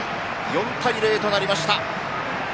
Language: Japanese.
４対０となりました。